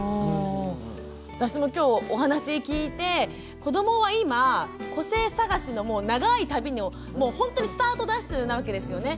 私もきょうお話聞いて子どもは今個性探しの長い旅のもうほんとにスタートダッシュなわけですよね。